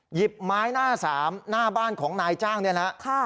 หยิบไม้หน้าสามหน้าบ้านของนายจ้างเนี่ยนะ